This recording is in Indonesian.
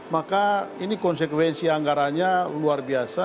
maka ini konsekuensi anggaranya luar biasa